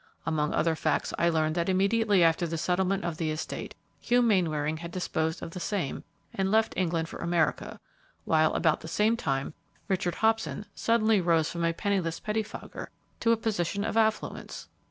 Among other facts, I learned that immediately after the settlement of the estate, Hugh Mainwaring had disposed of the same and left England for America, while about the same time Richard Hobson suddenly rose from a penniless pettifogger to a position of affluence.